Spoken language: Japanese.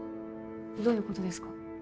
どういうことですか？